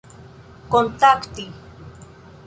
kontakti